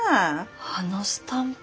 あのスタンプ。